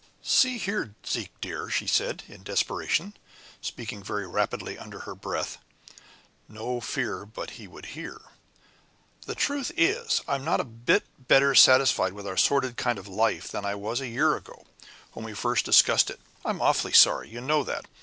"See here, Zeke, dear," she said, in desperation, speaking very rapidly under her breath no fear but he would hear "the truth is, that I'm not a bit better satisfied with our sordid kind of life than I was a year ago, when we first discussed it. I'm awfully sorry! You know that.